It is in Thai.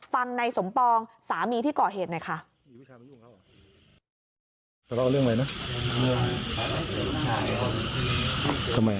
ฟังในสมปองสามีที่ก่อเหตุหน่อยค่ะ